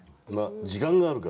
時間があるからね。